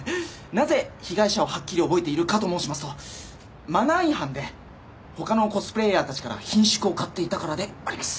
なぜ被害者をはっきり覚えているかと申しますとマナー違反で他のコスプレイヤーたちから顰蹙を買っていたからであります。